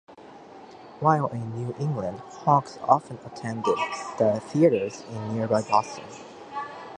While in New England, Hawks often attended the theaters in nearby Boston.